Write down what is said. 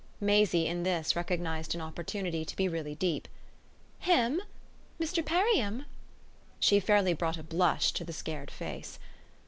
Maisie, in this, recognised an opportunity to be really deep. "'Him'? Mr. Perriam?" She fairly brought a blush to the scared face.